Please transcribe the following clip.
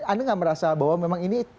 anda nggak merasa bahwa memang ini